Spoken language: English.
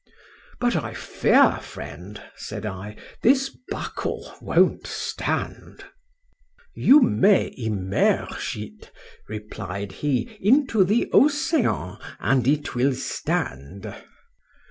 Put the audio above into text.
—But I fear, friend! said I, this buckle won't stand.—You may emerge it, replied he, into the ocean, and it will stand.